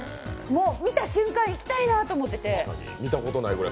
見た瞬間行きたいなと思ってて。